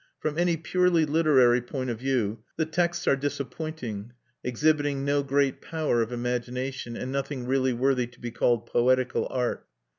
From any purely literary point of view, the texts are disappointing, exhibiting no great power of imagination, and nothing really worthy to be called poetical art.